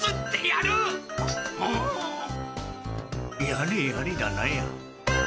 やれやれだなや。